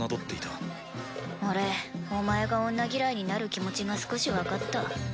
俺お前が女嫌いになる気持ちが少しわかった。